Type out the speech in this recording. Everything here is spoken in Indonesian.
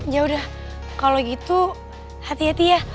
ya udah kalau gitu hati hati ya